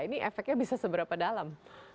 ini efeknya bisa seberapa dalam